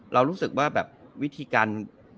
เรารู้สึกว่าแบบวิธีการ